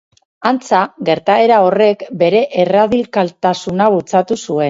Antza, gertaera horrek bere erradikaltasuna bultzatu zuen.